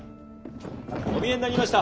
お見えになりました。